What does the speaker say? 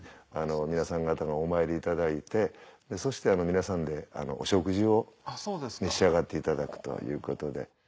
皆さん方がお参りいただいてそして皆さんでお食事を召し上がっていただくということで。